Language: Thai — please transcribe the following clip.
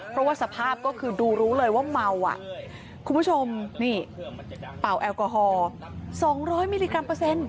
เพราะว่าสภาพก็คือดูรู้เลยว่าเมาอ่ะคุณผู้ชมนี่เป่าแอลกอฮอล์๒๐๐มิลลิกรัมเปอร์เซ็นต์